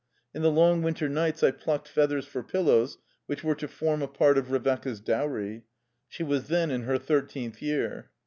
In the long winter nights I plucked feathers for pillows which were to form a part of Revecca's dowry ; she was then in her thirteenth year.